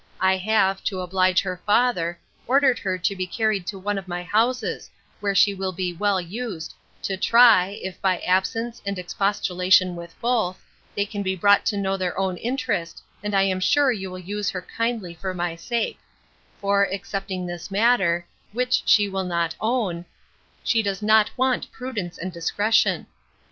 I have, to oblige her father, ordered her to be carried to one of my houses, where she will be well used, to try, if by absence, and expostulation with both, they can be brought to know their own interest and I am sure you will use her kindly for my sake: for, excepting this matter, which she will not own, she does not want prudence and discretion.